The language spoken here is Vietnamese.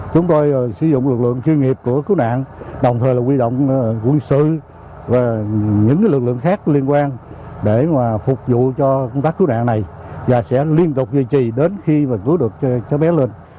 chúng tôi sử dụng lực lượng chuyên nghiệp của cứu nạn đồng thời là quy động quân sự và những lực lượng khác liên quan để phục vụ cho công tác cứu nạn này và sẽ liên tục duy trì đến khi cứu được cháu bé lên